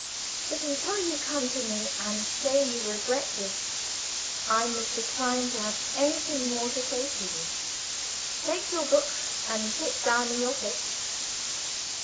But until you come to me and say you regret this, I must decline to have anything more to say to you. Take your book and sit down in your place!"